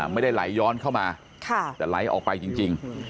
ไม่ได้ไหลย้อนเข้ามาแต่ไหลออกไปจริง